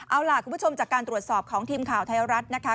เอาล่ะคุณผู้ชมจากการตรวจสอบของทีมข่าวไทยรัฐนะคะ